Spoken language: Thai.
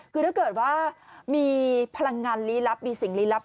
คือถ้าเกิดว่ามีพลังงานลี้ลับมีสิ่งลี้ลับ